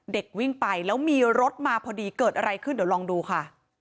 เด็กวิ่งไปแล้วมีรถมาพอดีเกิดอะไรขึ้นเดี๋ยวลองดูค่ะ